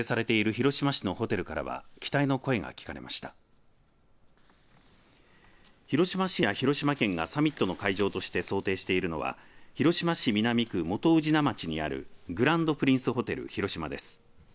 広島市が広島県がサミットの会場として想定しているのは広島市南区元宇品町にあるグランドプリンスホテル広島です。